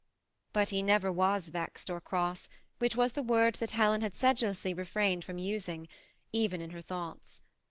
" But he never was vexed or cross, which waa the word that Helen had sedulously refrained from using, even in her thoughts.